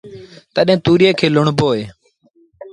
تڏهيݩ تُوريئي کي لُوڻبو اهي